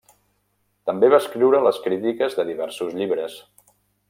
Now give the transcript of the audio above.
També va escriure les crítiques de diversos llibres.